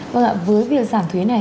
với việc giảm thuế này